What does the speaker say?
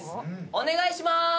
お願いしまーす！